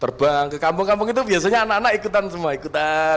terbang ke kampung kampung itu biasanya anak anak ikutan semua ikutan